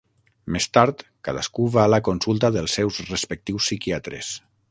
Més tard, cadascú va a la consulta dels seus respectius psiquiatres.